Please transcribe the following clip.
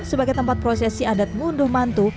sebagai tempat prosesi adat ngunduh mantu